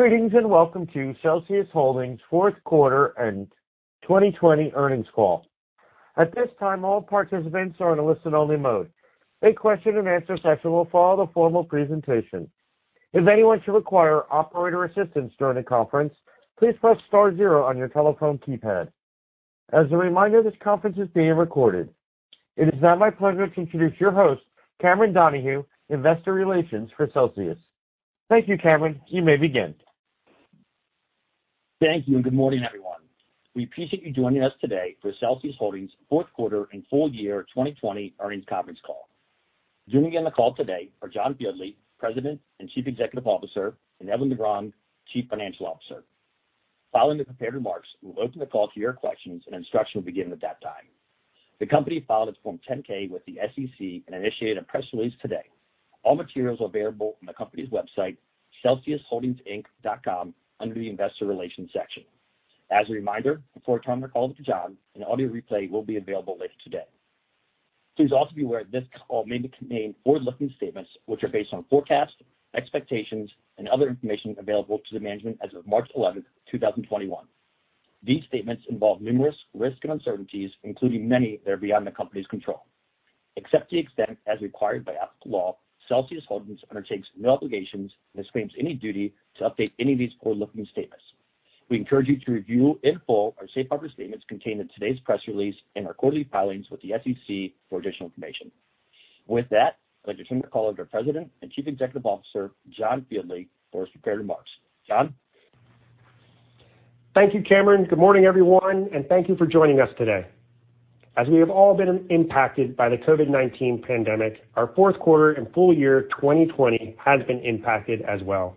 Greetings, and welcome to Celsius Holdings' fourth quarter and 2020 earnings call. It is now my pleasure to introduce your host, Cameron Donahue, investor relations for Celsius. Thank you, Cameron. You may begin. Thank you. Good morning, everyone. We appreciate you joining us today for Celsius Holdings' fourth quarter and full year 2020 earnings conference call. Joining me on the call today are John Fieldly, President and Chief Executive Officer, and Edwin Negron-Carballo, Chief Financial Officer. Following the prepared remarks, we'll open the call to your questions, and instruction will begin at that time. The company filed its Form 10-K with the SEC and initiated a press release today. All materials are available on the company's website, celsiusholdingsinc.com, under the investor relations section. As a reminder, before turning the call over to John, an audio replay will be available later today. Please also be aware this call may contain forward-looking statements which are based on forecasts, expectations, and other information available to the management as of March 11th, 2021. These statements involve numerous risks and uncertainties, including many that are beyond the company's control. Except to the extent as required by applicable law, Celsius Holdings undertakes no obligations and disclaims any duty to update any of these forward-looking statements. We encourage you to review in full our safe harbor statements contained in today's press release and our quarterly filings with the SEC for additional information. With that, I'd like to turn the call over to President and Chief Executive Officer, John Fieldly, for his prepared remarks. John? Thank you, Cameron. Good morning, everyone. Thank you for joining us today. As we have all been impacted by the COVID-19 pandemic, our fourth quarter and full year 2020 has been impacted as well,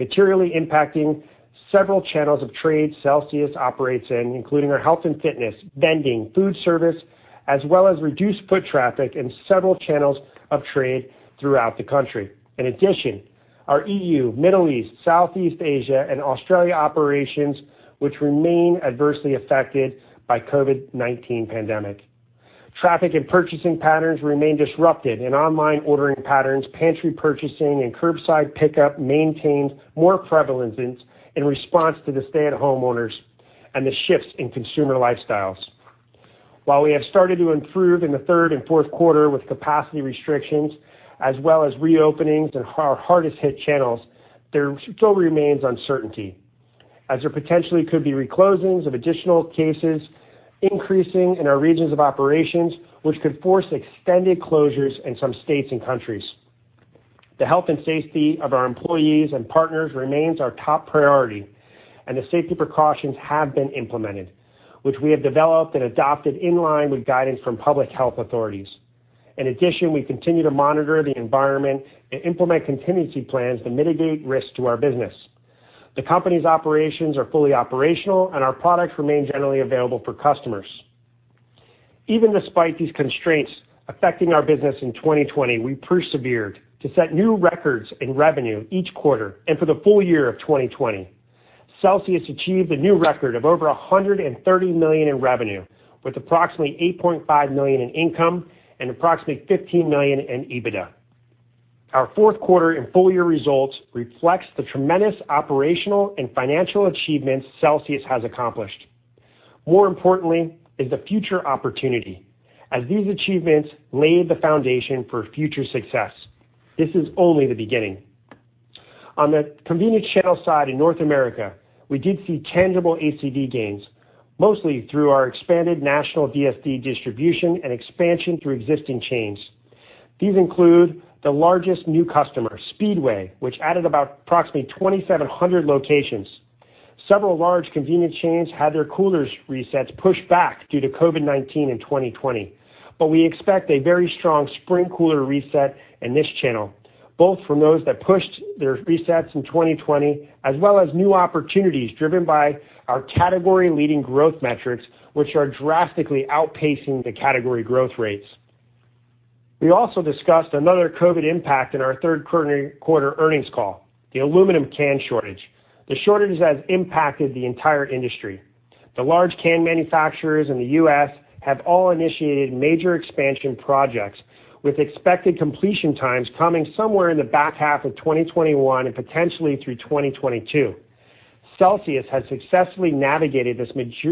materially impacting several channels of trade Celsius operates in, including our health and fitness, vending, food service, as well as reduced foot traffic in several channels of trade throughout the country. In addition, our EU, Middle East, Southeast Asia, and Australia operations, which remain adversely affected by COVID-19 pandemic. Traffic and purchasing patterns remain disrupted. Online ordering patterns, pantry purchasing, and curbside pickup maintained more prevalence in response to the stay-at-home orders and the shifts in consumer lifestyles. While we have started to improve in the third and fourth quarter with capacity restrictions, as well as reopenings in our hardest hit channels, there still remains uncertainty, as there potentially could be re-closings of additional cases increasing in our regions of operations, which could force extended closures in some states and countries. The health and safety of our employees and partners remains our top priority, and the safety precautions have been implemented, which we have developed and adopted in line with guidance from public health authorities. In addition, we continue to monitor the environment and implement contingency plans to mitigate risk to our business. The company's operations are fully operational, and our products remain generally available for customers. Even despite these constraints affecting our business in 2020, we persevered to set new records in revenue each quarter and for the full year of 2020. Celsius achieved a new record of over $130 million in revenue, with approximately $8.5 million in income and approximately $15 million in EBITDA. Our fourth quarter and full-year results reflect the tremendous operational and financial achievements Celsius has accomplished. More importantly is the future opportunity, as these achievements lay the foundation for future success. This is only the beginning. On the convenience channel side in North America, we did see tangible ACV gains, mostly through our expanded national DSD distribution and expansion through existing chains. These include the largest new customer, Speedway, which added approximately 2,700 locations. Several large convenience chains had their coolers resets pushed back due to COVID-19 in 2020. We expect a very strong spring cooler reset in this channel, both from those that pushed their resets in 2020, as well as new opportunities driven by our category-leading growth metrics, which are drastically outpacing the category growth rates. We also discussed another COVID impact in our third quarter earnings call, the aluminum can shortage. The shortage has impacted the entire industry. The large can manufacturers in the U.S. have all initiated major expansion projects, with expected completion times coming somewhere in the back half of 2021 and potentially through 2022. Celsius has successfully navigated this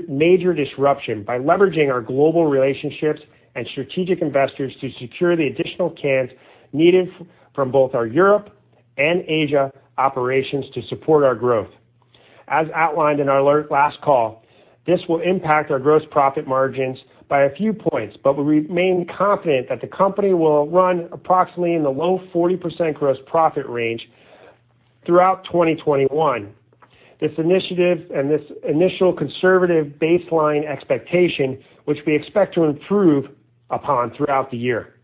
major disruption by leveraging our global relationships and strategic investors to secure the additional cans needed from both our Europe and Asia operations to support our growth. As outlined in our last call, this will impact our gross profit margins by a few points, but we remain confident that the company will run approximately in the low 40% gross profit range throughout 2021. This initiative and this initial conservative baseline expectation, which we expect to improve upon throughout the year.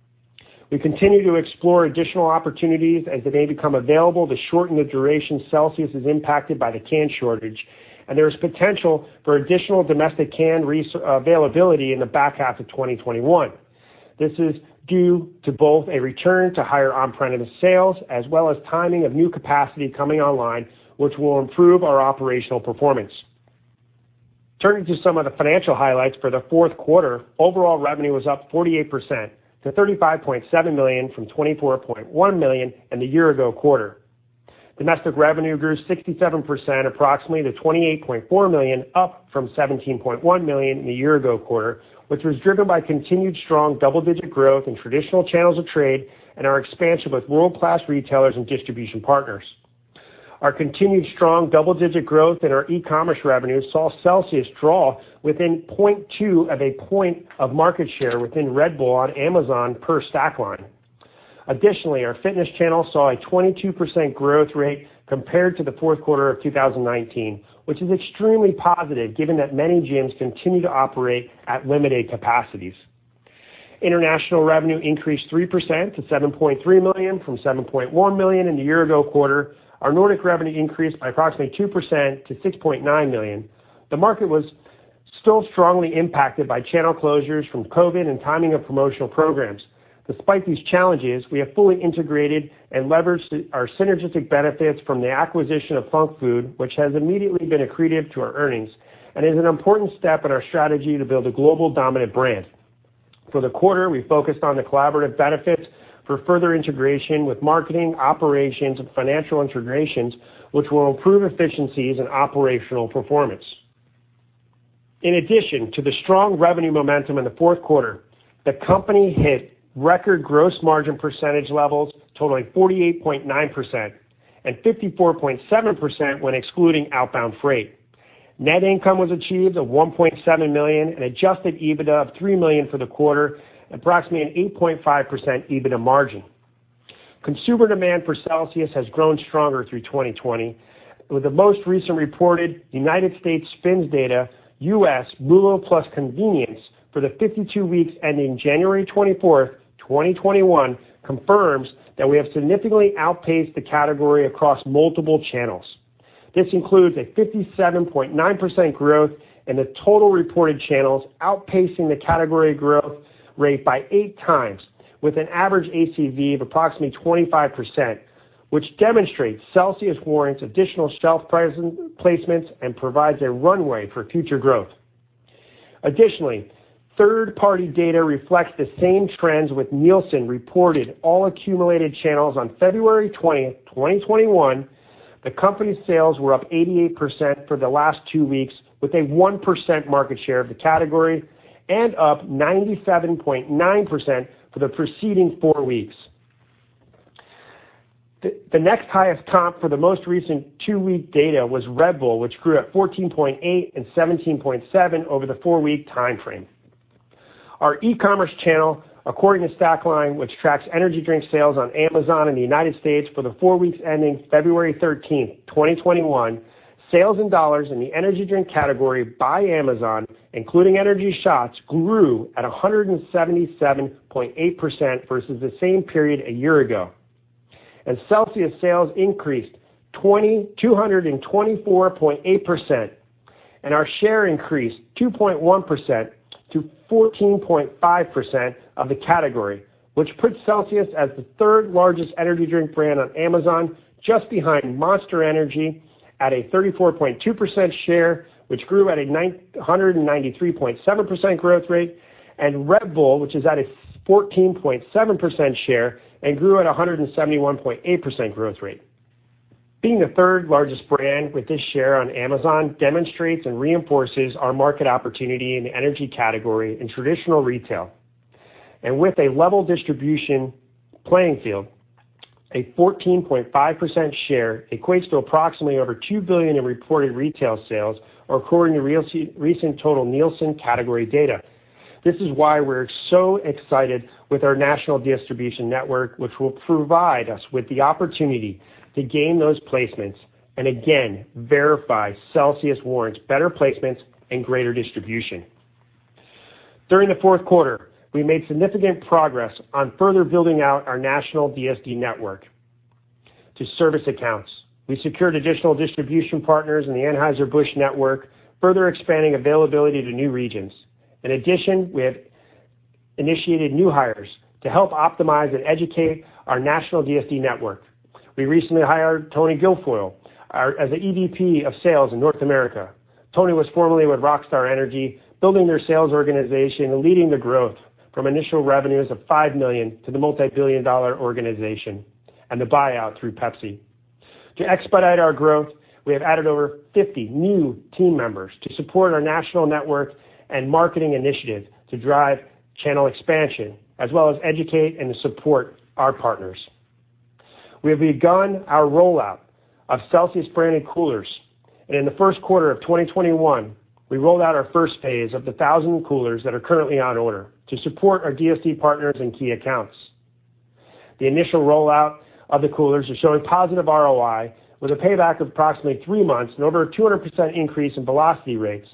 We continue to explore additional opportunities as they may become available to shorten the duration Celsius is impacted by the can shortage, and there is potential for additional domestic can availability in the back half of 2021. This is due to both a return to higher on-premise sales as well as timing of new capacity coming online, which will improve our operational performance. Turning to some of the financial highlights for the fourth quarter, overall revenue was up 48% to $35.7 million from $24.1 million in the year-ago quarter. Domestic revenue grew 67%, approximately to $28.4 million, up from $17.1 million in the year-ago quarter, which was driven by continued strong double-digit growth in traditional channels of trade and our expansion with world-class retailers and distribution partners. Our continued strong double-digit growth in our e-commerce revenue saw Celsius draw within 0.2 of a point of market share within Red Bull on Amazon per Stackline. Additionally, our fitness channel saw a 22% growth rate compared to the fourth quarter of 2019, which is extremely positive given that many gyms continue to operate at limited capacities. International revenue increased 3% to $7.3 million from $7.1 million in the year-ago quarter. Our Nordic revenue increased by approximately 2% to $6.9 million. The market was still strongly impacted by channel closures from COVID and timing of promotional programs. Despite these challenges, we have fully integrated and leveraged our synergistic benefits from the acquisition of Func Food, which has immediately been accretive to our earnings and is an important step in our strategy to build a global dominant brand. For the quarter, we focused on the collaborative benefits for further integration with marketing, operations, and financial integrations, which will improve efficiencies and operational performance. In addition to the strong revenue momentum in the fourth quarter, the company hit record gross margin % levels totaling 48.9% and 54.7% when excluding outbound freight. Net income was achieved of $1.7 million and adjusted EBITDA of $3 million for the quarter, approximately an 8.5% EBITDA margin. Consumer demand for Celsius has grown stronger through 2020, with the most recent reported United States SPINS data, U.S., MULO plus convenience for the 52 weeks ending January 24, 2021, confirms that we have significantly outpaced the category across multiple channels. This includes a 57.9% growth in the total reported channels, outpacing the category growth rate by 8x, with an average ACV of approximately 25%, which demonstrates Celsius warrants additional shelf placements and provides a runway for future growth. Third-party data reflects the same trends with Nielsen reported all accumulated channels on February 20, 2021. The company's sales were up 88% for the last two weeks, with a 1% market share of the category and up 97.9% for the preceding four weeks. The next highest comp for the most recent two-week data was Red Bull, which grew at 14.8% and 17.7% over the four-week time frame. Our e-commerce channel, according to Stackline, which tracks energy drink sales on Amazon in the U.S. for the four weeks ending February 13, 2021, sales in dollars in the energy drink category by Amazon, including energy shots, grew at 177.8% versus the same period a year ago. Celsius sales increased 224.8% and our share increased 2.1%-14.5% of the category, which puts Celsius as the third largest energy drink brand on Amazon, just behind Monster Energy at a 34.2% share, which grew at a 193.7% growth rate, and Red Bull, which is at a 14.7% share and grew at 171.8% growth rate. Being the third largest brand with this share on Amazon demonstrates and reinforces our market opportunity in the energy category in traditional retail. With a level distribution playing field, a 14.5% share equates to approximately over $2 billion in reported retail sales according to recent total Nielsen category data. This is why we're so excited with our national distribution network, which will provide us with the opportunity to gain those placements and again, verify Celsius warrants better placements and greater distribution. During the fourth quarter, we made significant progress on further building out our national DSD network to service accounts. We secured additional distribution partners in the Anheuser-Busch network, further expanding availability to new regions. In addition, we have initiated new hires to help optimize and educate our national DSD network. We recently hired Tony Guilfoyle as the EVP of sales in North America. Tony was formerly with Rockstar Energy, building their sales organization and leading the growth from initial revenues of $5 million to the multibillion-dollar organization and the buyout through Pepsi. To expedite our growth, we have added over 50 new team members to support our national network and marketing initiative to drive channel expansion, as well as educate and support our partners. We have begun our rollout of Celsius-branded coolers, and in the first quarter of 2021, we rolled out our first phase of the 1,000 coolers that are currently on order to support our DSD partners and key accounts. The initial rollout of the coolers are showing positive ROI with a payback of approximately three months and over a 200% increase in velocity rates.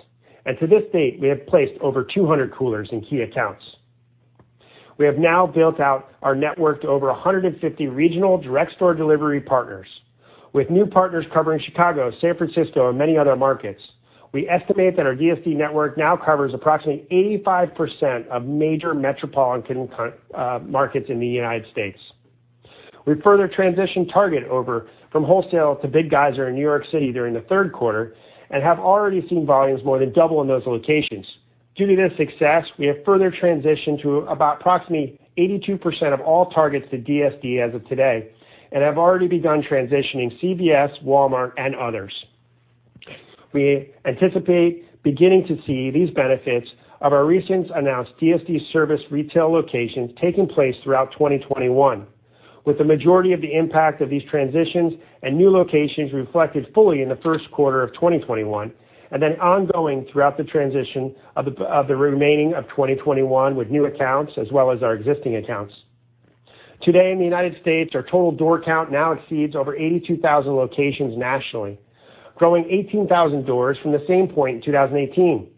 To this date, we have placed over 200 coolers in key accounts. We have now built out our network to over 150 regional direct store delivery partners with new partners covering Chicago, San Francisco, and many other markets. We estimate that our DSD network now covers approximately 85% of major metropolitan markets in the United States. We further transitioned Target over from wholesale to Big Geyser in New York City during the third quarter and have already seen volumes more than double in those locations. Due to this success, we have further transitioned to about approximately 82% of all Targets to DSD as of today and have already begun transitioning CVS, Walmart, and others. We anticipate beginning to see these benefits of our recent announced DSD service retail locations taking place throughout 2021. With the majority of the impact of these transitions and new locations reflected fully in the first quarter of 2021, and then ongoing throughout the transition of the remaining of 2021 with new accounts, as well as our existing accounts. Today in the U.S., our total door count now exceeds over 82,000 locations nationally, growing 18,000 doors from the same point in 2018.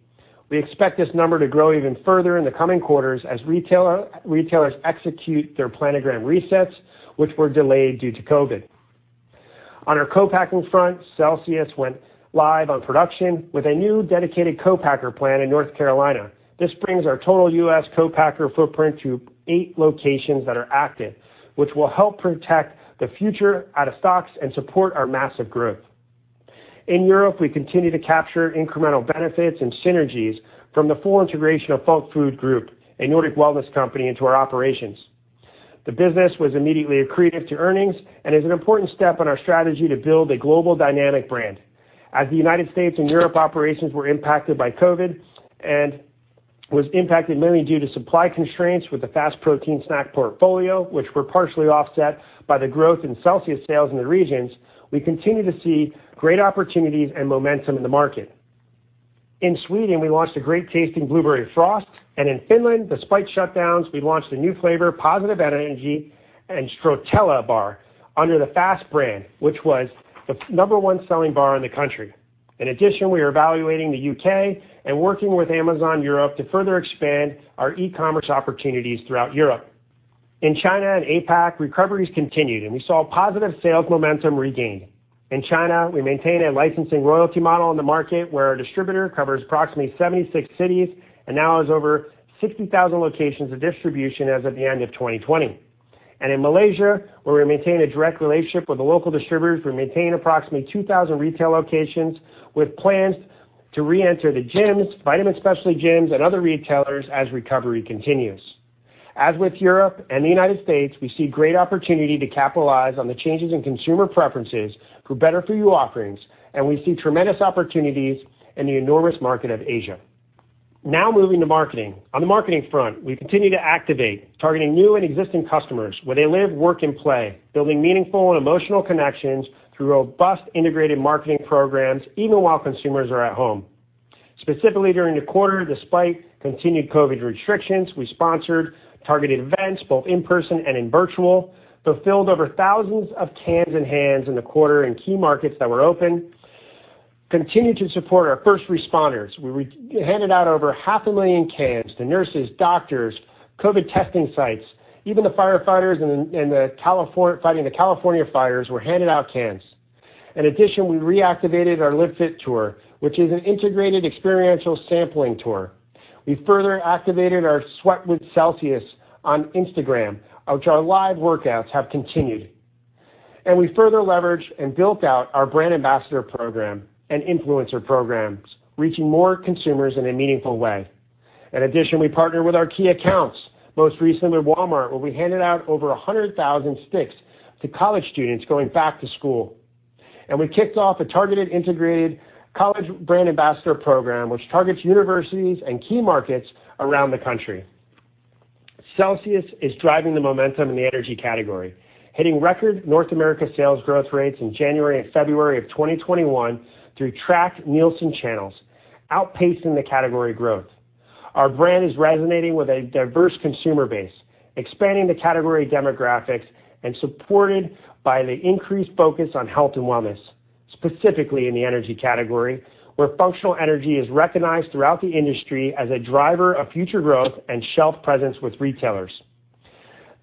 We expect this number to grow even further in the coming quarters as retailers execute their planogram resets, which were delayed due to COVID. On our co-packing front, Celsius went live on production with a new dedicated co-packer plant in North Carolina. This brings our total U.S. co-packer footprint to eight locations that are active, which will help protect the future out of stocks and support our massive growth. In Europe, we continue to capture incremental benefits and synergies from the full integration of Func Food Group, a Nordic wellness company, into our operations. The business was immediately accretive to earnings and is an important step in our strategy to build a global dynamic brand. As the United States and Europe operations were impacted by COVID and was impacted mainly due to supply constraints with the FAST protein snack portfolio, which were partially offset by the growth in Celsius sales in the regions, we continue to see great opportunities and momentum in the market. In Sweden, we launched a great tasting Blueberry Frost, and in Finland, despite shutdowns, we launched a new flavor, Positive Energy, and Stracciatella bar under the FAST brand, which was the number one selling bar in the country. In addition, we are evaluating the U.K. and working with Amazon Europe to further expand our e-commerce opportunities throughout Europe. In China and APAC, recoveries continued, and we saw positive sales momentum regained. In China, we maintain a licensing royalty model in the market where our distributor covers approximately 76 cities and now has over 60,000 locations of distribution as of the end of 2020. In Malaysia, where we maintain a direct relationship with the local distributors, we maintain approximately 2,000 retail locations with plans to re-enter the gyms, vitamin specialty gyms, and other retailers as recovery continues. As with Europe and the United States, we see great opportunity to capitalize on the changes in consumer preferences for better food offerings, and we see tremendous opportunities in the enormous market of Asia. Now moving to marketing. On the marketing front, we continue to activate targeting new and existing customers where they live, work, and play, building meaningful and emotional connections through robust integrated marketing programs, even while consumers are at home. Specifically, during the quarter, despite continued COVID restrictions, we sponsored targeted events both in person and in virtual, fulfilled over thousands of cans and hands in the quarter in key markets that were open. Continue to support our first responders. We handed out over half a million cans to nurses, doctors, COVID testing sites, even the firefighters fighting the California fires were handed out cans. In addition, we reactivated our Live Fit Tour, which is an integrated experiential sampling tour. We further activated our Sweat with Celsius on Instagram, which our live workouts have continued. We further leveraged and built out our brand ambassador program and influencer programs, reaching more consumers in a meaningful way. In addition, we partnered with our key accounts, most recently Walmart, where we handed out over 100,000 sticks to college students going back to school. We kicked off a targeted integrated college brand ambassador program, which targets universities and key markets around the country. Celsius is driving the momentum in the energy category, hitting record North America sales growth rates in January and February of 2021 through tracked Nielsen channels, outpacing the category growth. Our brand is resonating with a diverse consumer base, expanding the category demographics and supported by the increased focus on health and wellness, specifically in the energy category, where functional energy is recognized throughout the industry as a driver of future growth and shelf presence with retailers.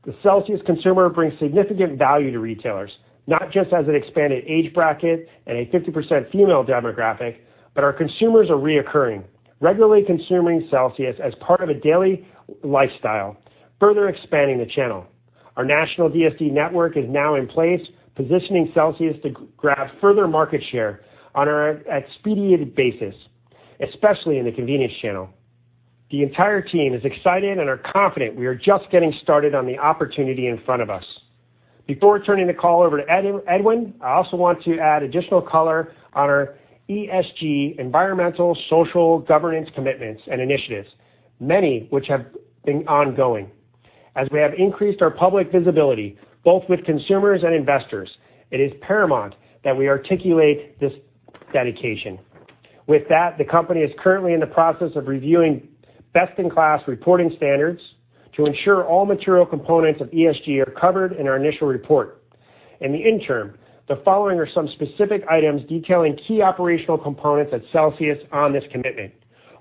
The Celsius consumer brings significant value to retailers, not just as an expanded age bracket and a 50% female demographic, but our consumers are reoccurring, regularly consuming Celsius as part of a daily lifestyle, further expanding the channel. Our national DSD network is now in place, positioning Celsius to grab further market share on an expedited basis, especially in the convenience channel. The entire team is excited and are confident we are just getting started on the opportunity in front of us. Before turning the call over to Edwin, I also want to add additional color on our ESG, environmental, social, governance commitments and initiatives, many which have been ongoing. As we have increased our public visibility, both with consumers and investors, it is paramount that we articulate this dedication. The company is currently in the process of reviewing best-in-class reporting standards to ensure all material components of ESG are covered in our initial report. The following are some specific items detailing key operational components at Celsius on this commitment.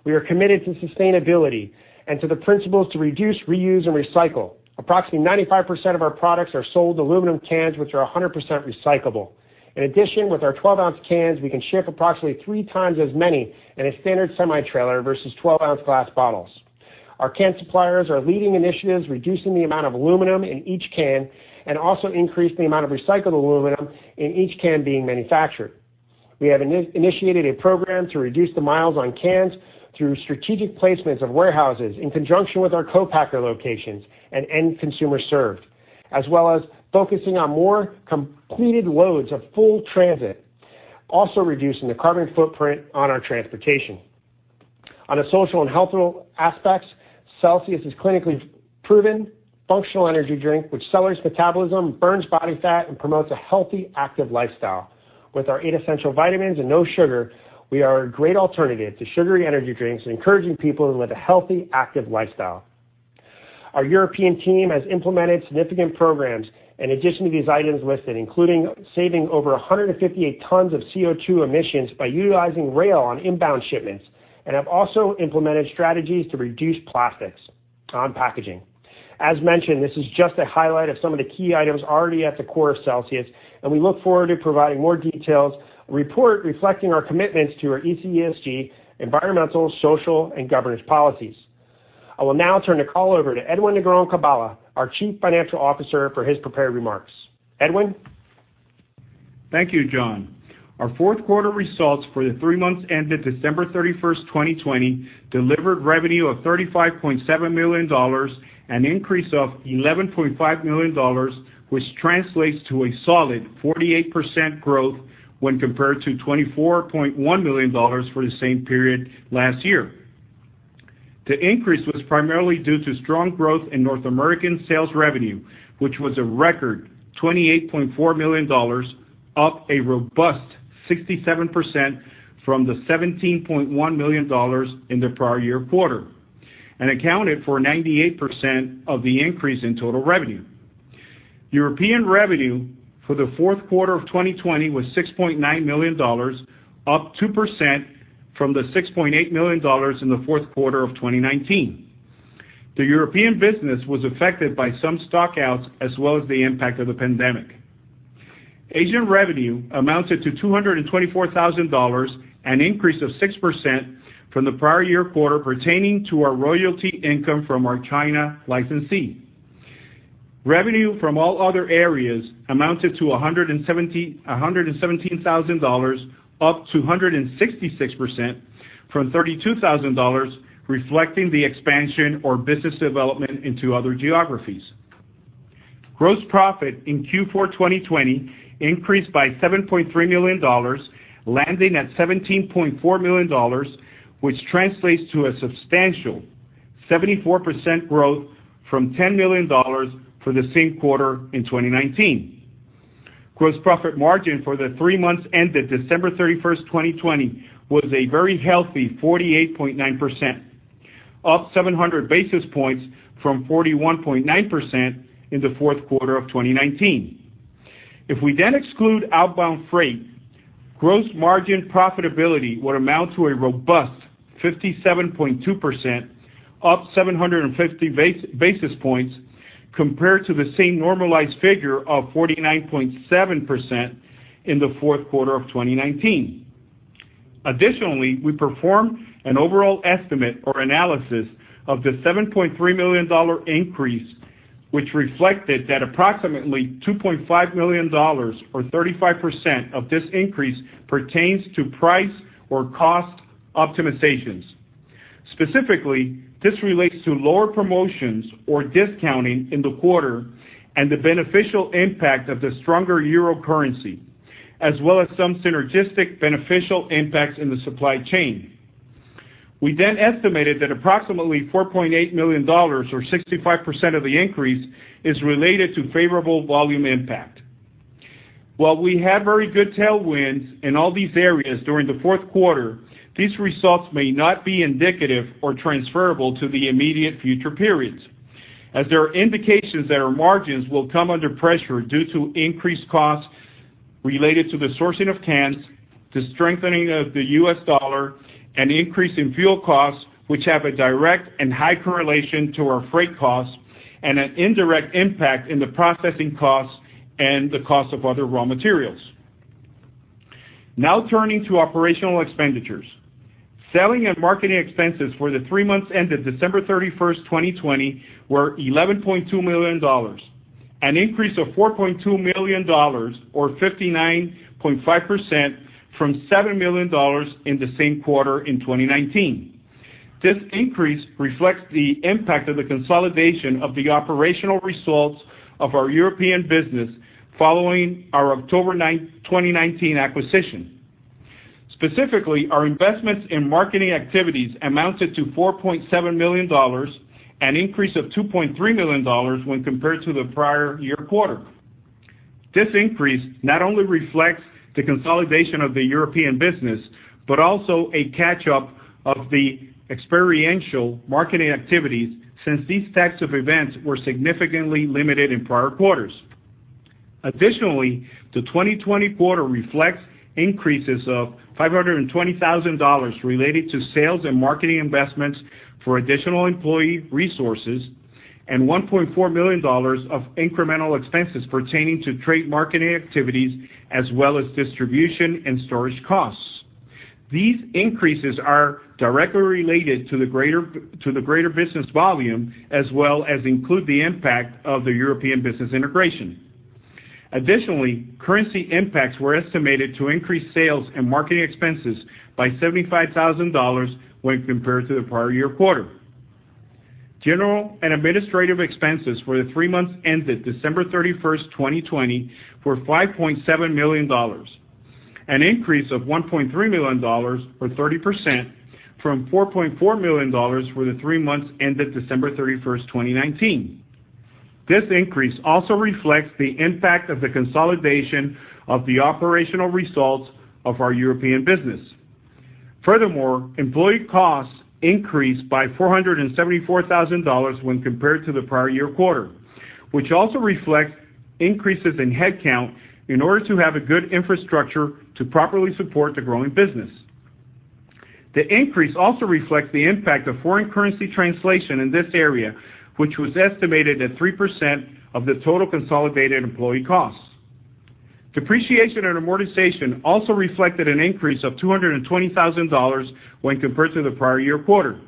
We are committed to sustainability and to the principles to reduce, reuse, and recycle. Approximately 95% of our products are sold aluminum cans, which are 100% recyclable. With our 12-ounce cans, we can ship approximately 3x as many in a standard semi-trailer versus 12-ounce glass bottles. Our can suppliers are leading initiatives reducing the amount of aluminum in each can, and also increase the amount of recycled aluminum in each can being manufactured. We have initiated a program to reduce the miles on cans through strategic placements of warehouses in conjunction with our co-packer locations and end consumer served, as well as focusing on more completed loads of full transit, also reducing the carbon footprint on our transportation. On the social and health aspects, Celsius is clinically proven functional energy drink which accelerates metabolism, burns body fat, and promotes a healthy, active lifestyle. With our eight essential vitamins and no sugar, we are a great alternative to sugary energy drinks, encouraging people to live a healthy, active lifestyle. Our European team has implemented significant programs in addition to these items listed, including saving over 158 tons of CO2 emissions by utilizing rail on inbound shipments and have also implemented strategies to reduce plastics on packaging. As mentioned, this is just a highlight of some of the key items already at the core of Celsius, and we look forward to providing more details, a report reflecting our commitments to our ESG, environmental, social, and governance policies. I will now turn the call over to Edwin Negron-Carballo, our chief financial officer, for his prepared remarks. Edwin? Thank you, John. Our fourth quarter results for the three months ended December 31st, 2020, delivered revenue of $35.7 million, an increase of $11.5 million, which translates to a solid 48% growth when compared to $24.1 million for the same period last year. The increase was primarily due to strong growth in North American sales revenue, which was a record $28.4 million, up a robust 67% from the $17.1 million in the prior year quarter, and accounted for 98% of the increase in total revenue. European revenue for the fourth quarter of 2020 was $6.9 million, up 2% from the $6.8 million in the fourth quarter of 2019. The European business was affected by some stock outs, as well as the impact of the pandemic. Asian revenue amounted to $224,000, an increase of 6% from the prior year quarter pertaining to our royalty income from our China licensee. Revenue from all other areas amounted to $117,000, up 266% from $32,000, reflecting the expansion or business development into other geographies. Gross profit in Q4 2020 increased by $7.3 million, landing at $17.4 million, which translates to a substantial 74% growth from $10 million for the same quarter in 2019. Gross profit margin for the three months ended December 31st, 2020, was a very healthy 48.9%, up 700 basis points from 41.9% in the fourth quarter of 2019. If we exclude outbound freight, gross margin profitability would amount to a robust 57.2%, up 750 basis points compared to the same normalized figure of 49.7% in the fourth quarter of 2019. Additionally, we performed an overall estimate or analysis of the $7.3 million increase, which reflected that approximately $2.5 million, or 35% of this increase, pertains to price or cost optimizations. Specifically, this relates to lower promotions or discounting in the quarter and the beneficial impact of the stronger EUR currency, as well as some synergistic beneficial impacts in the supply chain. We estimated that approximately $4.8 million, or 65% of the increase, is related to favorable volume impact. While we had very good tailwinds in all these areas during the fourth quarter, these results may not be indicative or transferable to the immediate future periods, as there are indications that our margins will come under pressure due to increased costs related to the sourcing of cans, the strengthening of the U.S. dollar, and increase in fuel costs, which have a direct and high correlation to our freight costs and an indirect impact in the processing costs and the cost of other raw materials. Turning to operational expenditures. Selling and marketing expenses for the three months ended December 31, 2020, were $11.2 million, an increase of $4.2 million, or 59.5% from $7 million in the same quarter in 2019. This increase reflects the impact of the consolidation of the operational results of our European business following our October 9, 2019 acquisition. Specifically, our investments in marketing activities amounted to $4.7 million, an increase of $2.3 million when compared to the prior year quarter. This increase not only reflects the consolidation of the European business, but also a catch-up of the experiential marketing activities, since these types of events were significantly limited in prior quarters. Additionally, the 2020 quarter reflects increases of $520,000 related to sales and marketing investments for additional employee resources and $1.4 million of incremental expenses pertaining to trade marketing activities, as well as distribution and storage costs. These increases are directly related to the greater business volume, as well as include the impact of the European business integration. Additionally, currency impacts were estimated to increase sales and marketing expenses by $75,000 when compared to the prior year quarter. General and administrative expenses for the three months ended December 31st, 2020 were $5.7 million, an increase of $1.3 million, or 30%, from $4.4 million for the three months ended December 31st, 2019. This increase also reflects the impact of the consolidation of the operational results of our European business. Furthermore, employee costs increased by $474,000 when compared to the prior year quarter, which also reflects increases in headcount in order to have a good infrastructure to properly support the growing business. The increase also reflects the impact of foreign currency translation in this area, which was estimated at 3% of the total consolidated employee costs. Depreciation and amortization also reflected an increase of $220,000 when compared to the prior year quarter.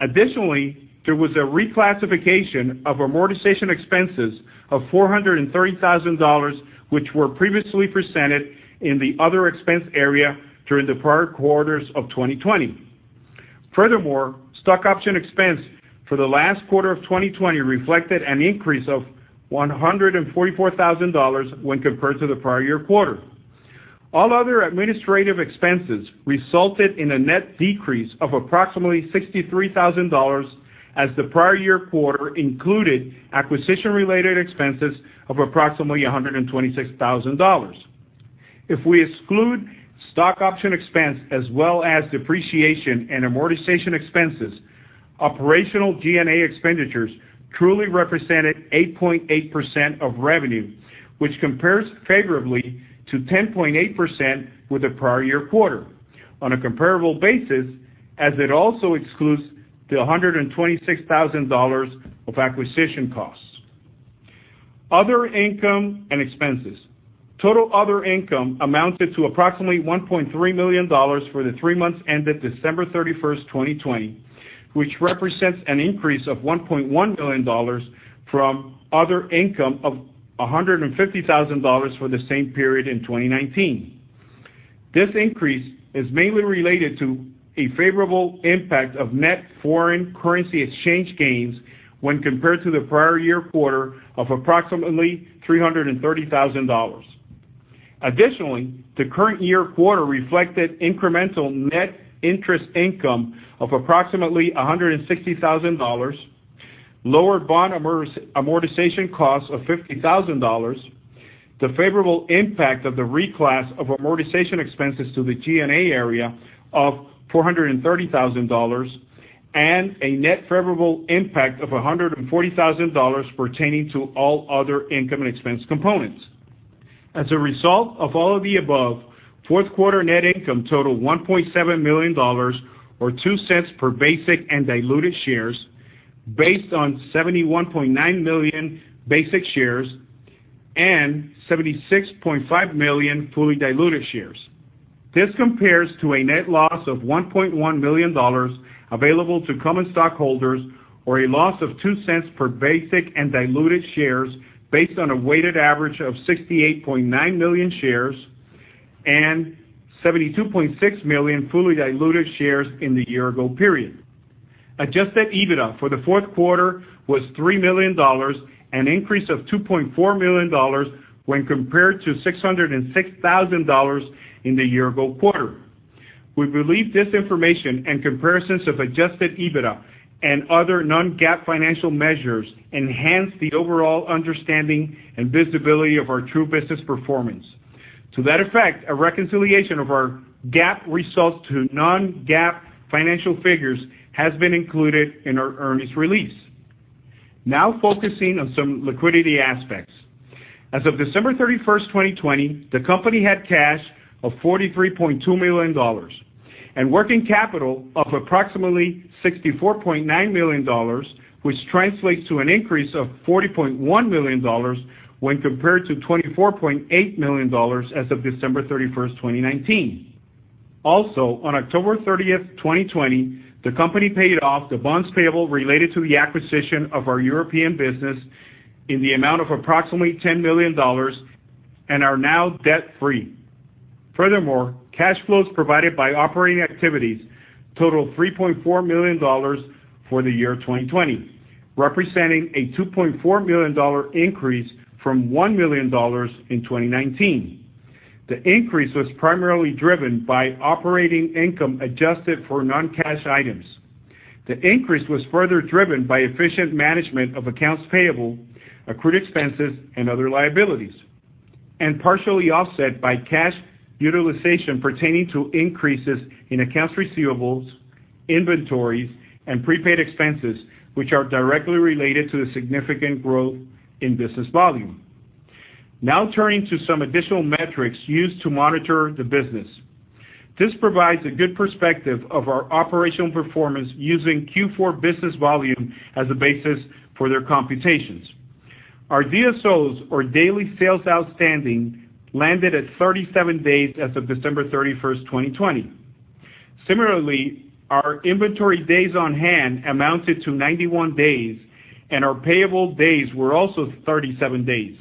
Additionally, there was a reclassification of amortization expenses of $430,000, which were previously presented in the other expense area during the prior quarters of 2020. Furthermore, stock option expense for the last quarter of 2020 reflected an increase of $144,000 when compared to the prior year quarter. All other administrative expenses resulted in a net decrease of approximately $63,000, as the prior year quarter included acquisition-related expenses of approximately $126,000. If we exclude stock option expense as well as depreciation and amortization expenses, operational G&A expenditures truly represented 8.8% of revenue, which compares favorably to 10.8% with the prior year quarter on a comparable basis, as it also excludes the $126,000 of acquisition costs. Other income and expenses. Total other income amounted to approximately $1.3 million for the three months ended December 31st, 2020, which represents an increase of $1.1 million from other income of $150,000 for the same period in 2019. This increase is mainly related to a favorable impact of net foreign currency exchange gains when compared to the prior year quarter of approximately $330,000. Additionally, the current year quarter reflected incremental net interest income of approximately $160,000, lower bond amortization costs of $50,000, the favorable impact of the reclass of amortization expenses to the G&A area of $430,000, and a net favorable impact of $140,000 pertaining to all other income and expense components. As a result of all of the above, fourth quarter net income totaled $1.7 million, or $0.02 per basic and diluted shares, based on 71.9 million basic shares and 76.5 million fully diluted shares. This compares to a net loss of $1.1 million available to common stockholders or a loss of $0.02 per basic and diluted shares based on a weighted average of 68.9 million shares and 72.6 million fully diluted shares in the year-ago period. Adjusted EBITDA for the fourth quarter was $3 million, an increase of $2.4 million when compared to $606,000 in the year-ago quarter. We believe this information and comparisons of adjusted EBITDA and other non-GAAP financial measures enhance the overall understanding and visibility of our true business performance. To that effect, a reconciliation of our GAAP results to non-GAAP financial figures has been included in our earnings release. Now focusing on some liquidity aspects. As of December 31st, 2020, the company had cash of $43.2 million and working capital of approximately $64.9 million, which translates to an increase of $40.1 million when compared to $24.8 million as of December 31st, 2019. Also, on October 30th, 2020, the company paid off the bonds payable related to the acquisition of our European business in the amount of approximately $10 million and are now debt-free. Furthermore, cash flows provided by operating activities totaled $3.4 million for the year 2020, representing a $2.4 million increase from $1 million in 2019. The increase was primarily driven by operating income adjusted for non-cash items. The increase was further driven by efficient management of accounts payable, accrued expenses, and other liabilities, and partially offset by cash utilization pertaining to increases in accounts receivables, inventories, and prepaid expenses, which are directly related to the significant growth in business volume. Turning to some additional metrics used to monitor the business. This provides a good perspective of our operational performance using Q4 business volume as a basis for their computations. Our DSO, or daily sales outstanding, landed at 37 days as of December 31st, 2020. Similarly, our inventory days on hand amounted to 91 days, and our payable days were also 37 days.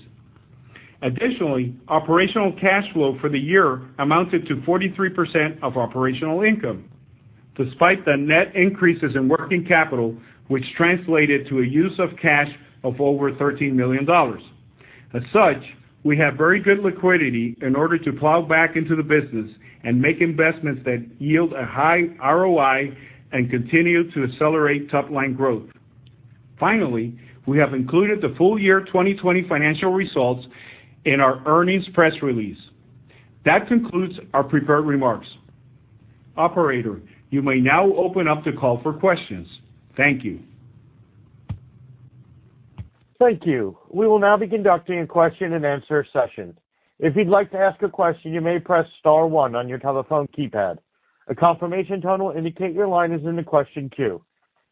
Additionally, operational cash flow for the year amounted to 43% of operational income, despite the net increases in working capital, which translated to a use of cash of over $13 million. As such, we have very good liquidity in order to plow back into the business and make investments that yield a high ROI and continue to accelerate top-line growth. Finally, we have included the full year 2020 financial results in our earnings press release. That concludes our prepared remarks. Operator, you may now open up the call for questions. Thank you. Thank you.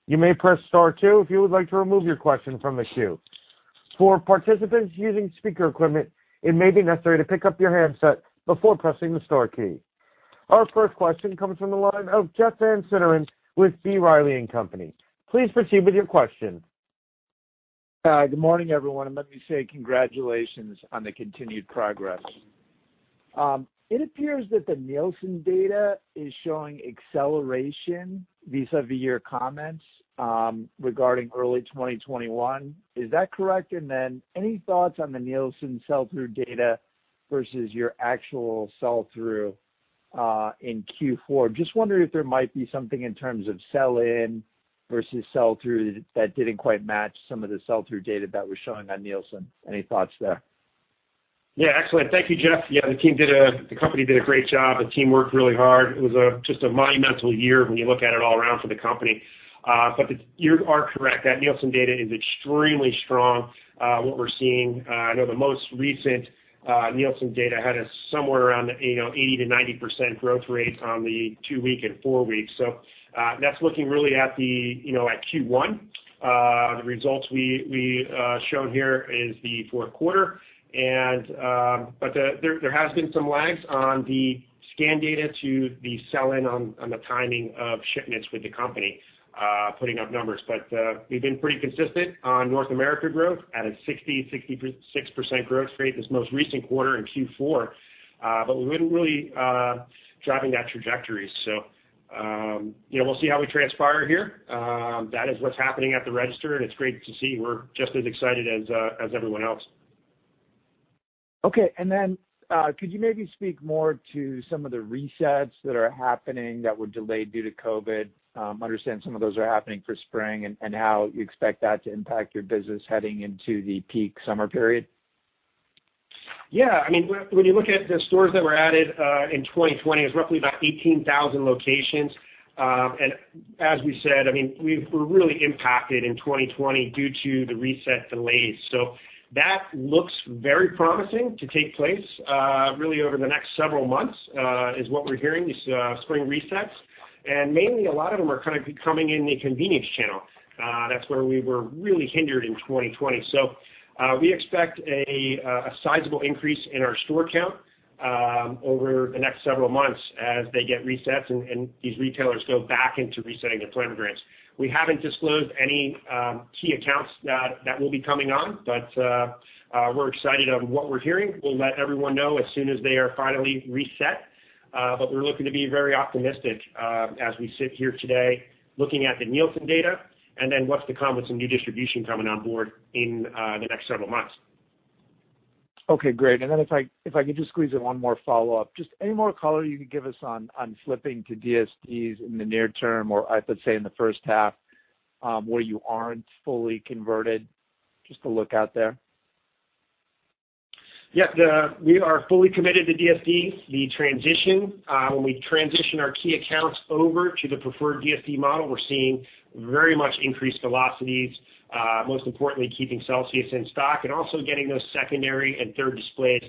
Our first question comes from the line of Jeff Van Sinderen with B. Riley and Company. Please proceed with your question. Hi. Good morning, everyone. Let me say congratulations on the continued progress. It appears that the Nielsen data is showing acceleration vis-à-vis your comments regarding early 2021. Is that correct? Any thoughts on the Nielsen sell-through data versus your actual sell-through in Q4? I'm just wondering if there might be something in terms of sell-in versus sell-through that didn't quite match some of the sell-through data that was showing on Nielsen. Any thoughts there? Excellent. Thank you, Jeff. The company did a great job. The team worked really hard. It was just a monumental year when you look at it all around for the company. You are correct. That Nielsen data is extremely strong. What we're seeing, I know the most recent Nielsen data had us somewhere around 80%-90% growth rate on the two-week and four-week. That's looking really at Q1. The results we shown here is the fourth quarter, but there has been some lags on the scan data to the sell-in on the timing of shipments with the company, putting up numbers. We've been pretty consistent on North America growth at a 60%, 66% growth rate this most recent quarter in Q4. We've been really driving that trajectory. We'll see how we transpire here. That is what's happening at the register, and it's great to see. We're just as excited as everyone else. Okay. Could you maybe speak more to some of the resets that are happening that were delayed due to COVID? I understand some of those are happening for spring, and how you expect that to impact your business heading into the peak summer period. Yeah. When you look at the stores that were added in 2020, it's roughly about 18,000 locations. As we said, we were really impacted in 2020 due to the reset delays. That looks very promising to take place, really over the next several months, is what we're hearing, these spring resets. Mainly a lot of them are kind of coming in the convenience channel. That's where we were really hindered in 2020. We expect a sizable increase in our store count over the next several months as they get resets and these retailers go back into resetting their programs. We haven't disclosed any key accounts that will be coming on, but we're excited on what we're hearing. We'll let everyone know as soon as they are finally reset. We're looking to be very optimistic, as we sit here today, looking at the Nielsen data, and then what's to come with some new distribution coming on board in the next several months. Okay, great. If I could just squeeze in one more follow-up. Any more color you could give us on flipping to DSDs in the near term or let's say in the first half, where you aren't fully converted? A look out there. Yeah. We are fully committed to DSD, the transition. When we transition our key accounts over to the preferred DSD model, we're seeing very much increased velocities, most importantly keeping Celsius in stock and also getting those secondary and third displays,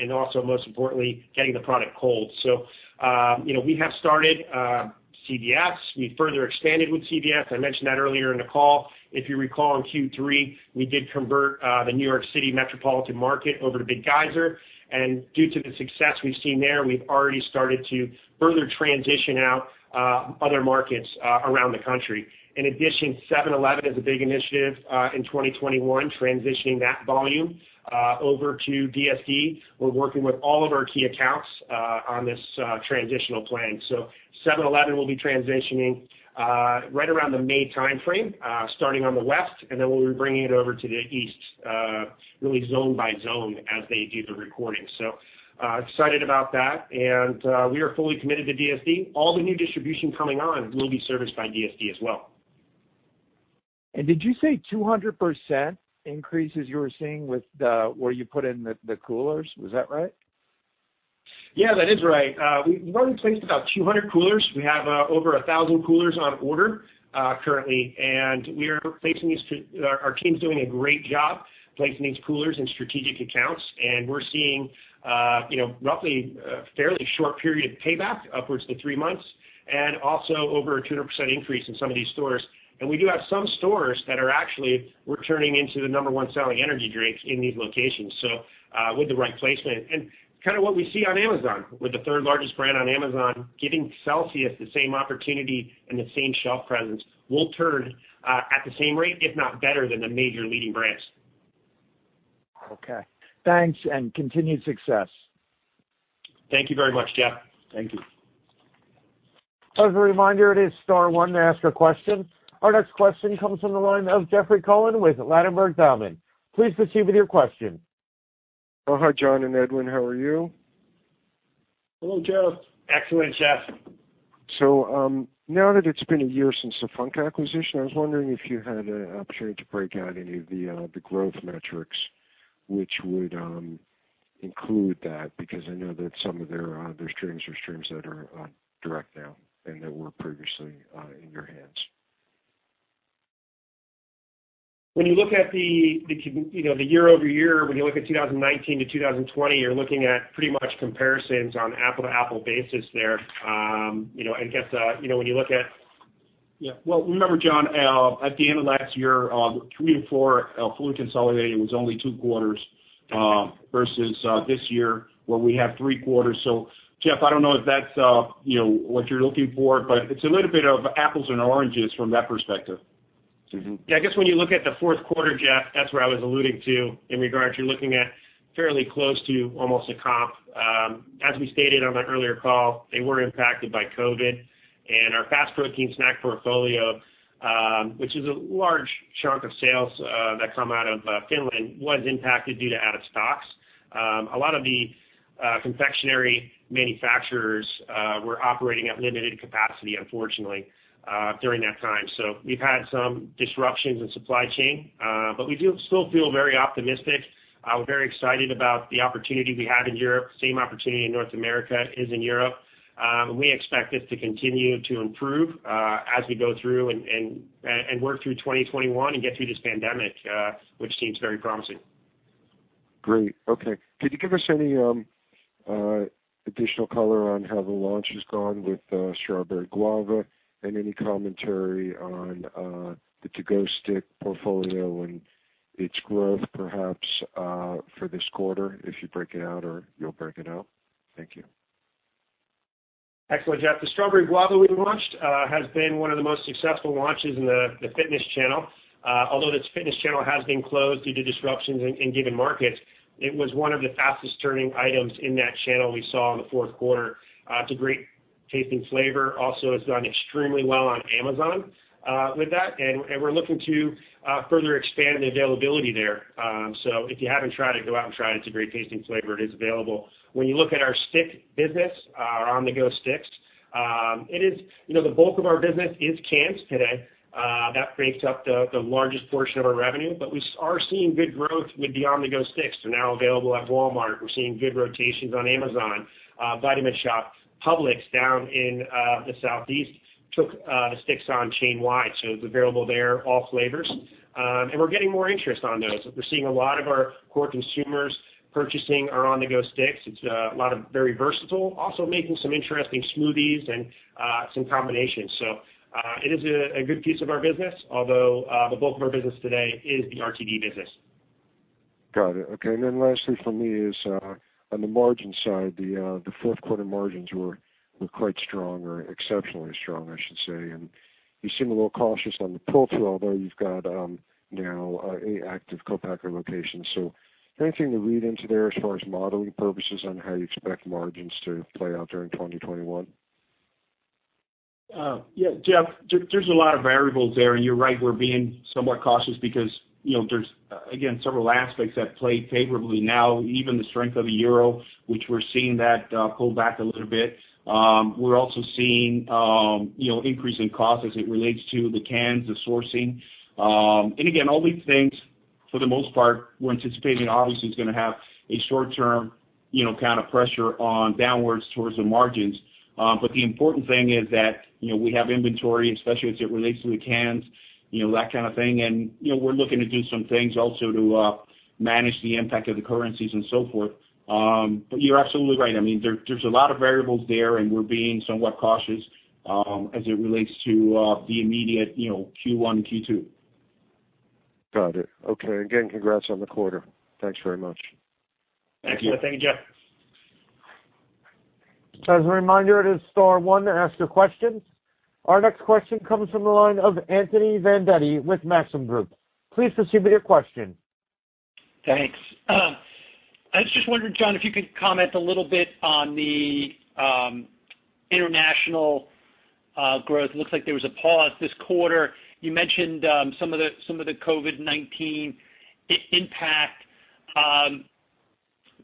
and also, most importantly, getting the product cold. We have started CVS. We further expanded with CVS. I mentioned that earlier in the call. If you recall, in Q3, we did convert the New York City metropolitan market over to Big Geyser. Due to the success we've seen there, we've already started to further transition out other markets around the country. In addition, 7-Eleven is a big initiative in 2021, transitioning that volume over to DSD. We're working with all of our key accounts on this transitional plan. 7-Eleven will be transitioning right around the May timeframe, starting on the west, and then we'll be bringing it over to the east, really zone by zone as they do the recording. Excited about that, and we are fully committed to DSD. All the new distribution coming on will be serviced by DSD as well. Did you say 200% increases you were seeing with where you put in the coolers? Was that right? Yeah, that is right. We've only placed about 200 coolers. We have over 1,000 coolers on order currently, and our team's doing a great job placing these coolers in strategic accounts, and we're seeing roughly a fairly short period payback, upwards to three months, and also over a 200% increase in some of these stores. We do have some stores that are actually returning into the number one selling energy drinks in these locations, with the right placement. Kind of what we see on Amazon, with the third largest brand on Amazon, giving Celsius the same opportunity and the same shelf presence will turn at the same rate, if not better than the major leading brands. Okay. Thanks and continued success. Thank you very much, Jeff. Thank you. As a reminder, it is star one to ask a question. Our next question comes from the line of Jeffrey Cohen with Ladenburg Thalmann. Please proceed with your question. Hi, John and Edwin. How are you? Hello, Jeff. Excellent, Jeff. Now that it's been a year since the Func acquisition, I was wondering if you had an opportunity to break out any of the growth metrics which would include that, because I know that some of their streams are streams that are direct now and that were previously in your hands. When you look at the year-over-year, when you look at 2019 to 2020, you're looking at pretty much comparisons on an apple-to-apple basis there. Well, remember, John, at the end of last year, three and four fully consolidated was only two quarters, versus this year where we have three quarters. Jeff, I don't know if that's what you're looking for, but it's a little bit of apples and oranges from that perspective. I guess when you look at the fourth quarter, Jeff, that's where I was alluding to in regards, you're looking at fairly close to almost a comp. As we stated on the earlier call, they were impacted by COVID and our FAST protein snack portfolio, which is a large chunk of sales that come out of Finland, was impacted due to out of stocks. A lot of the confectionery manufacturers were operating at limited capacity, unfortunately, during that time. We've had some disruptions in supply chain. We do still feel very optimistic. We're very excited about the opportunity we have in Europe, same opportunity in North America as in Europe. We expect this to continue to improve as we go through and work through 2021 and get through this pandemic, which seems very promising. Great. Okay. Could you give us any additional color on how the launch has gone with Strawberry Guava and any commentary on the to-go stick portfolio and its growth, perhaps, for this quarter, if you break it out or you'll break it out? Thank you. Excellent, Jeff. The Strawberry Guava we launched has been one of the most successful launches in the fitness channel. Although this fitness channel has been closed due to disruptions in given markets, it was one of the fastest turning items in that channel we saw in the fourth quarter. It's a great tasting flavor, also has done extremely well on Amazon with that, and we're looking to further expand the availability there. If you haven't tried it, go out and try it. It's a great tasting flavor. It is available. When you look at our stick business, our On-The-Go sticks, the bulk of our business is cans today. That makes up the largest portion of our revenue, but we are seeing good growth with the On-The-Go sticks. They're now available at Walmart. We're seeing good rotations on Amazon, Vitamin Shoppe. Publix down in the Southeast took sticks on chain wide, so it's available there, all flavors. We're getting more interest on those. We're seeing a lot of our core consumers purchasing our On-The-Go sticks. It's very versatile. Also making some interesting smoothies and some combinations. It is a good piece of our business, although the bulk of our business today is the RTD business. Got it. Okay, lastly from me is, on the margin side, the fourth quarter margins were quite strong or exceptionally strong, I should say. You seem a little cautious on the pull-through, although you've got now eight active co-packer locations. Anything to read into there as far as modeling purposes on how you expect margins to play out during 2021? Yeah, Jeff, there's a lot of variables there, and you're right, we're being somewhat cautious because there's, again, several aspects that play favorably now. Even the strength of the euro, which we're seeing that pull back a little bit. We're also seeing increase in cost as it relates to the cans, the sourcing. Again, all these things, for the most part, we're anticipating obviously it's going to have a short-term kind of pressure on downwards towards the margins. The important thing is that we have inventory, especially as it relates to the cans, that kind of thing. We're looking to do some things also to manage the impact of the currencies and so forth. You're absolutely right. There's a lot of variables there, and we're being somewhat cautious as it relates to the immediate Q1, Q2. Got it. Okay. Again, congrats on the quarter. Thanks very much. Excellent. Thank you, Jeff. As a reminder, it is star one to ask a question. Our next question comes from the line of Anthony Vendetti with Maxim Group. Please proceed with your question. Thanks. I was just wondering, John, if you could comment a little bit on the international growth. Looks like there was a pause this quarter. You mentioned some of the COVID-19 impact.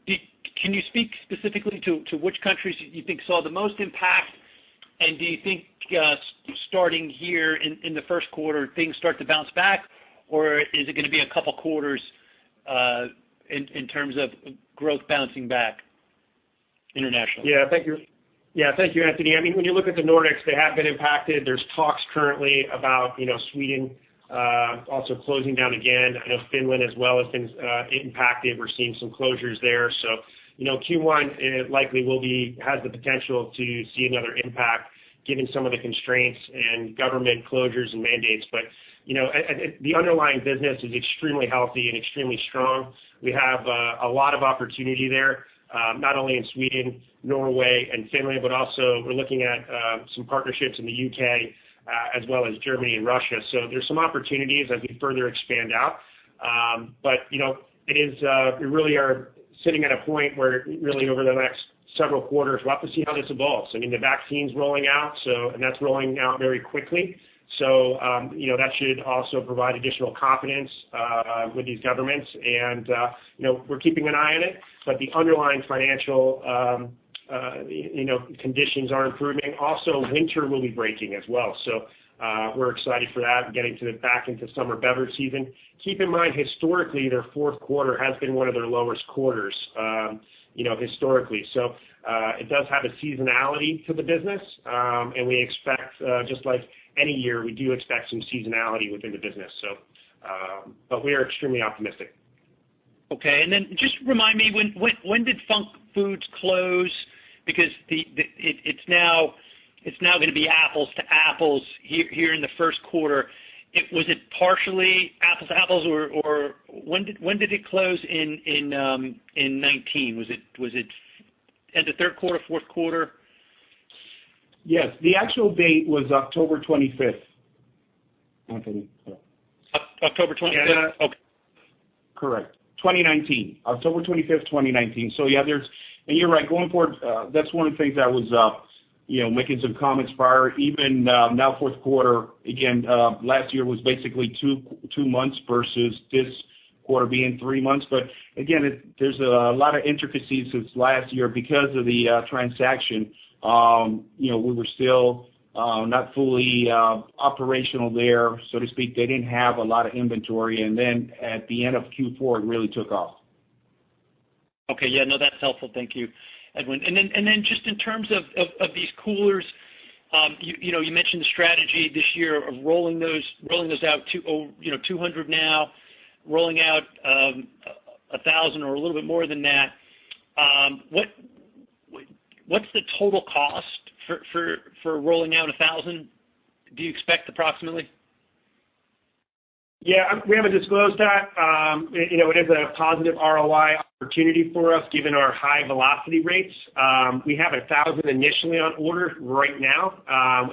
Can you speak specifically to which countries you think saw the most impact? Do you think starting here in the first quarter, things start to bounce back, or is it going to be a couple of quarters in terms of growth bouncing back internationally? Thank you, Anthony. When you look at the Nordics, they have been impacted. There's talks currently about Sweden also closing down again. I know Finland as well has been impacted. We're seeing some closures there. Q1 likely has the potential to see another impact given some of the constraints and government closures and mandates. The underlying business is extremely healthy and extremely strong. We have a lot of opportunity there, not only in Sweden, Norway, and Finland, but also we're looking at some partnerships in the U.K., as well as Germany and Russia. There's some opportunities as we further expand out. We really are sitting at a point where really over the next several quarters, we'll have to see how this evolves. The vaccine's rolling out, and that's rolling out very quickly. That should also provide additional confidence with these governments. We're keeping an eye on it, but the underlying financial conditions are improving. Also, winter will be breaking as well. We're excited for that, getting back into summer beverage season. Keep in mind, historically, their fourth quarter has been one of their lowest quarters historically. It does have a seasonality to the business. We expect, just like any year, we do expect some seasonality within the business. We are extremely optimistic. Okay, just remind me, when did Func Food close? Because it's now going to be apples to apples here in the first quarter. Was it partially apples to apples, or when did it close in 2019? Was it end of third quarter, fourth quarter? Yes. The actual date was October 25th, Anthony. October 25th? Yeah. Okay. Correct. 2019. October 25th, 2019. You're right, going forward, that's one of the things I was making some comments prior. Even now, fourth quarter, again, last year was basically two months versus this quarter being three months. Again, there's a lot of intricacies since last year because of the transaction. We were still not fully operational there, so to speak. They didn't have a lot of inventory. Then at the end of Q4, it really took off. Okay. Yeah, no, that's helpful. Thank you, Edwin. Then just in terms of these coolers, you mentioned the strategy this year of rolling those out, 200 now, rolling out 1,000 or a little bit more than that. What's the total cost for rolling out 1,000, do you expect approximately? Yeah, we haven't disclosed that. It is a positive ROI opportunity for us given our high velocity rates. We have a thousand initially on order right now.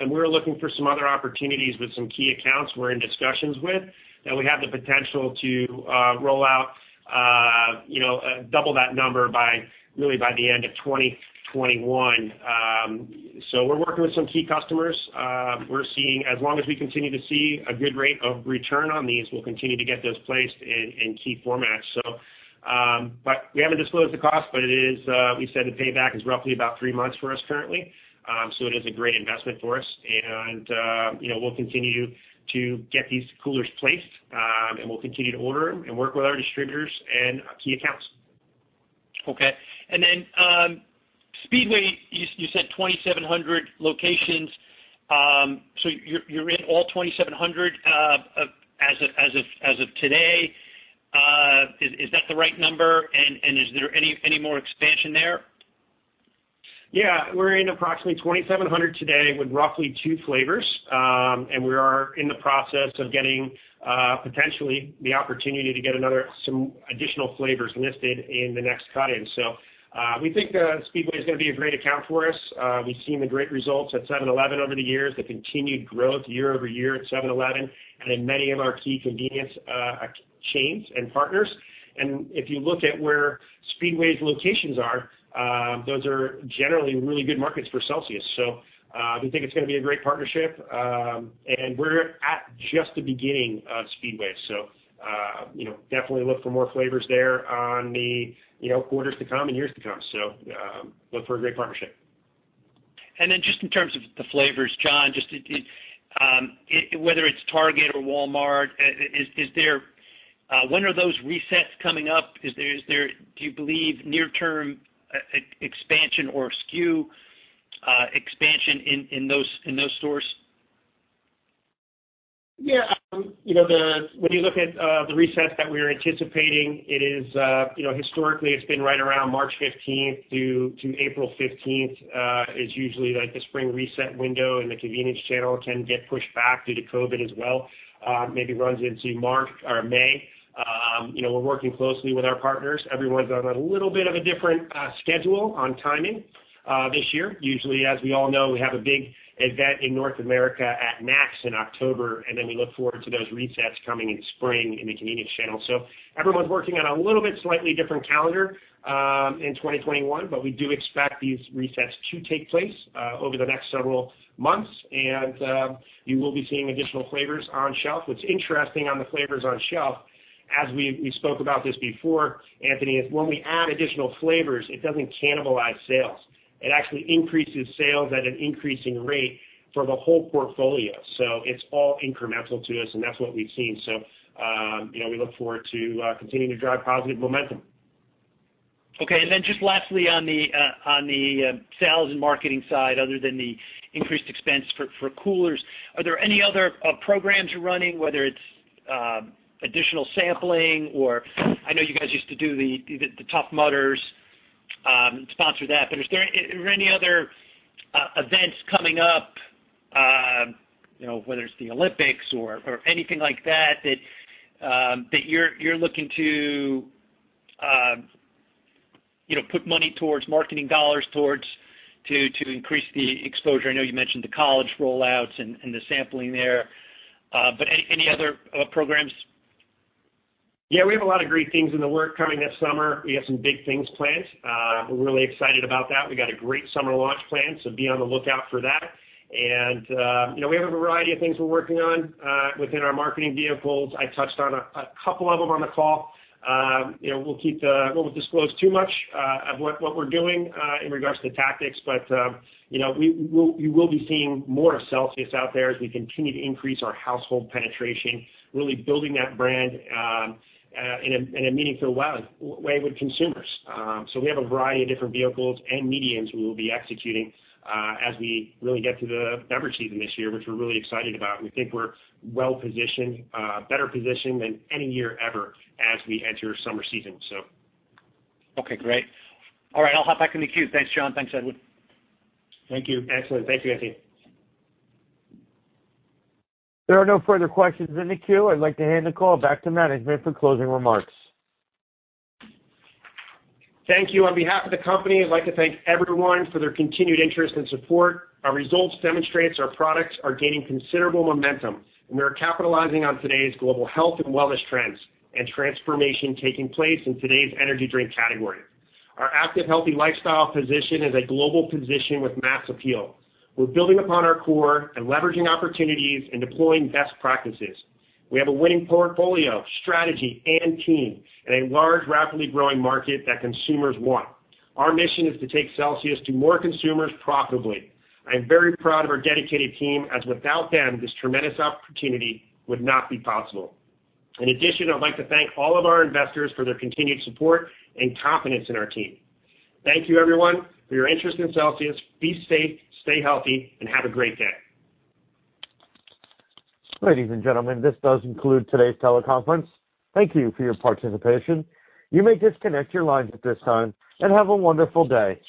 We're looking for some other opportunities with some key accounts we're in discussions with. We have the potential to roll out double that number really by the end of 2021. We're working with some key customers. As long as we continue to see a good rate of return on these, we'll continue to get those placed in key formats. We haven't disclosed the cost, but we said the payback is roughly about three months for us currently. It is a great investment for us. We'll continue to get these coolers placed, and we'll continue to order them and work with our distributors and key accounts. Okay. Speedway, you said 2,700 locations. You're in all 2,700 as of today. Is that the right number? Is there any more expansion there? We're in approximately 2,700 today with roughly two flavors. We are in the process of getting potentially the opportunity to get some additional flavors listed in the next cut-in. We think that Speedway is going to be a great account for us. We've seen the great results at 7-Eleven over the years, the continued growth year-over-year at 7-Eleven, and in many of our key convenience chains and partners. If you look at where Speedway's locations are, those are generally really good markets for Celsius. We think it's going to be a great partnership. We're at just the beginning of Speedway. Definitely look for more flavors there on the quarters to come and years to come. Look for a great partnership. Then just in terms of the flavors, John, whether it's Target or Walmart, when are those resets coming up? Is there, do you believe, near-term expansion or SKU expansion in those stores? Yeah. When you look at the resets that we are anticipating, historically, it's been right around March 15th to April 15th is usually the spring reset window, and the convenience channel can get pushed back due to COVID as well. Maybe runs into March or May. We're working closely with our partners. Everyone's on a little bit of a different schedule on timing this year. Usually, as we all know, we have a big event in North America at NACS in October, then we look forward to those resets coming in spring in the convenience channel. Everyone's working on a little bit slightly different calendar in 2021. We do expect these resets to take place over the next several months. You will be seeing additional flavors on shelf. What's interesting on the flavors on shelf, as we spoke about this before, Anthony, is when we add additional flavors, it doesn't cannibalize sales. It actually increases sales at an increasing rate for the whole portfolio. It's all incremental to us, and that's what we've seen. We look forward to continuing to drive positive momentum. Okay, just lastly on the sales and marketing side, other than the increased expense for coolers, are there any other programs you're running, whether it's additional sampling or I know you guys used to do the Tough Mudder, sponsor that, are there any other events coming up, whether it's the Olympics or anything like that you're looking to put money towards marketing dollars towards to increase the exposure? I know you mentioned the college rollouts and the sampling there. Any other programs? We have a lot of great things in the work coming this summer. We have some big things planned. We're really excited about that. We got a great summer launch plan, so be on the lookout for that. We have a variety of things we're working on within our marketing vehicles. I touched on a couple of them on the call. We won't disclose too much of what we're doing in regards to tactics, but you will be seeing more of Celsius out there as we continue to increase our household penetration, really building that brand in a meaningful way with consumers. We have a variety of different vehicles and mediums we will be executing as we really get to the beverage season this year, which we're really excited about, and we think we're well-positioned, better positioned than any year ever as we enter summer season. Okay, great. All right, I'll hop back in the queue. Thanks, John. Thanks, Edwin. Thank you. Excellent. Thank you, Anthony. There are no further questions in the queue. I'd like to hand the call back to management for closing remarks. Thank you. On behalf of the company, I'd like to thank everyone for their continued interest and support. Our results demonstrate our products are gaining considerable momentum, and we are capitalizing on today's global health and wellness trends and transformation taking place in today's energy drink category. Our active, healthy lifestyle position is a global position with mass appeal. We're building upon our core and leveraging opportunities and deploying best practices. We have a winning portfolio, strategy, and team in a large, rapidly growing market that consumers want. Our mission is to take Celsius to more consumers profitably. I am very proud of our dedicated team, as without them, this tremendous opportunity would not be possible. In addition, I'd like to thank all of our investors for their continued support and confidence in our team. Thank you everyone for your interest in Celsius. Be safe, stay healthy, and have a great day. Ladies and gentlemen, this does conclude today's teleconference. Thank you for your participation. You may disconnect your lines at this time. Have a wonderful day.